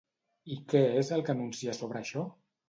I què és el que anuncia sobre això?